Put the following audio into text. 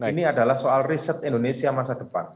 ini adalah soal riset indonesia masa depan